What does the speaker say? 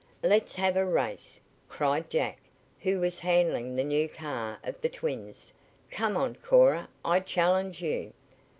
"Let's have a race!" cried Jack, who was handling the new car of the twins. "Come on, Cora, I challenge you."